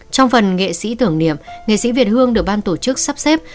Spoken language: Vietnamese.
trong phần nghệ sĩ tưởng niệm nghệ sĩ việt hương được ban tổ chức sắp xếp